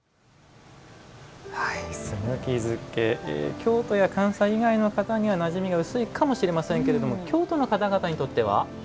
京都や関西以外の方にはなじみが薄いかもしれませんが京都の方々にとっては？